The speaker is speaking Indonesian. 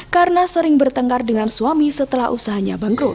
karena sering bertengkar dengan suami setelah usahanya bangkrut